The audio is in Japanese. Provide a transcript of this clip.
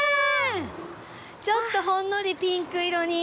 ちょっとほんのりピンク色に。